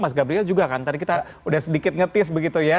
mas gabriel juga kan tadi kita udah sedikit ngetis begitu ya